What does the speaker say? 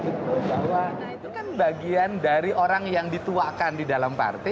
nah itu kan bagian dari orang yang dituakan di dalam partai